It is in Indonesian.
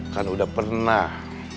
kan udah pernah